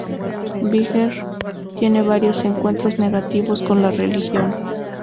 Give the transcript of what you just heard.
Bigger tiene varios encuentros negativos con la religión.